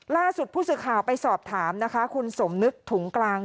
ล่าสุดผู้สื่อข่าวไปสอบถามนะคะคุณสมนึกถุงกลาง